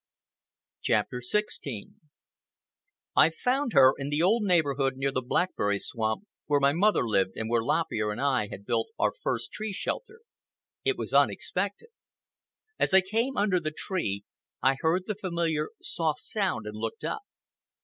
CHAPTER XVI I found her down in the old neighborhood near the blueberry swamp, where my mother lived and where Lop Ear and I had built our first tree shelter. It was unexpected. As I came under the tree I heard the familiar soft sound and looked up.